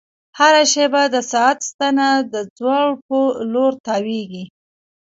هره شېبه د ساعت ستنه د ځوړ په لور تاوېږي.